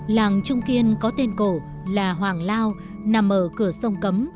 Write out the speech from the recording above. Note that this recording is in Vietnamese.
làng trung kiên có tên cổ là hoàng lao nằm ở cửa sông cấm